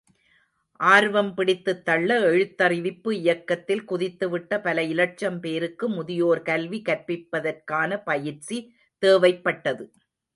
ஆர்வம் பிடித்துத் தள்ள, எழுத்தறிவிப்பு இயக்கத்தில் குதித்துவிட்ட பல இலட்சம் பேருக்கும் முதியோர் கல்வி கற்பிப்பதற்கான பயிற்சி தேவைப்பட்டது.